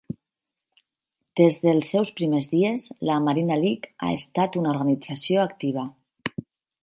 Des dels seus primers dies, la Marina League ha estat una organització activa.